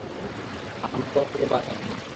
আমাকে ওনার থেকে বাঁচান!